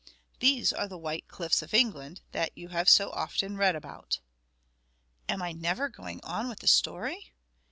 These are the white cliffs of England that you have so often read about. Am I never going on with the story?